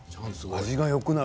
味がよくなる。